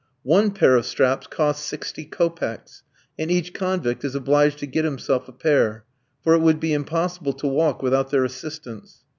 One pair of straps costs sixty kopecks, and each convict is obliged to get himself a pair, for it would be impossible to walk without their assistance.